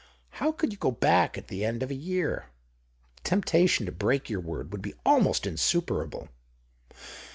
How could you go back at the end of a year ? The temptation to break your word would be almost insuperable."